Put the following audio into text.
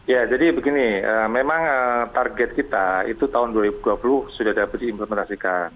ya jadi begini memang target kita itu tahun dua ribu dua puluh sudah dapat diimplementasikan